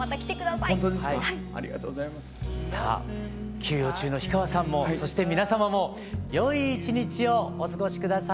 休養中の氷川さんもそして皆様もよい一日をお過ごし下さい。